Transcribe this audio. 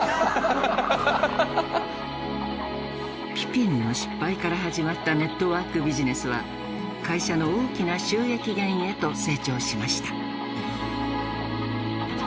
ピピンの失敗から始まったネットワークビジネスは会社の大きな収益源へと成長しました。